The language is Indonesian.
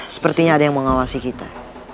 sepertinya ada yang mengawasi kita